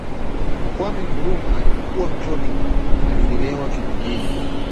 Kwame Nkrumah alipokuwa Mtoto alilelewa kijijini